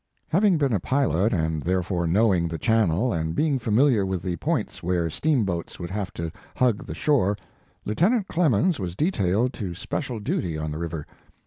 Having been a pilot, and therefore knowing the channel and being familiar with the points where steamboats would have to hug the shore, Lieutenant Clemens was detailed to special duty on the river.